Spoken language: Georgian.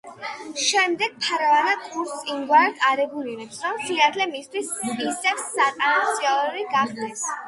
შემდეგ ფარვანა კურსს იმგვარად არეგულირებს, რომ სინათლე მისთვის ისევ სტაციონალური გახდეს.